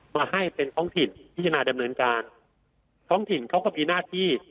มาให้เป็นท้องถิ่นพิจารณาดำเนินการท้องถิ่นเขาก็มีหน้าที่